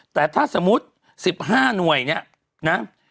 แต่ถ้าสมมุติ๑๕หน่วยเนี่ยนะ